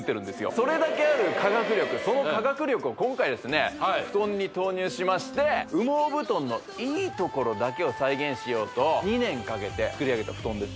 それだけある科学力その科学力を今回ですね布団に投入しまして羽毛布団のいいところだけを再現しようと２年かけて作りあげた布団です